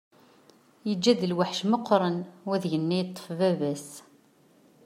Yeǧǧa-d lweḥc meqqren wadeg-nni yeṭṭef baba-s.